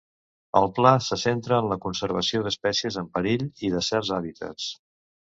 El pla se centra en la conservació d'espècies en perill i de certs hàbitats.